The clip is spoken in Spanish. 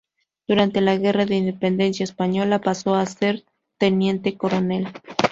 Durante la Guerra de Independencia Española pasó a ser teniente coronel.